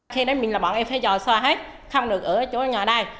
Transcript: khi đó mình là bọn em phải dò xoa hết không được ở chỗ nhà đây